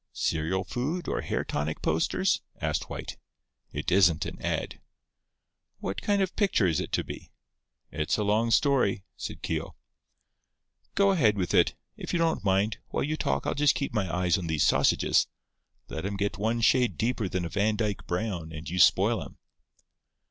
"Cereal food or hair tonic posters?" asked White. "It isn't an ad." "What kind of a picture is it to be?" "It's a long story," said Keogh. "Go ahead with it. If you don't mind, while you talk I'll just keep my eye on these sausages. Let 'em get one shade deeper than a Vandyke brown and you spoil 'em."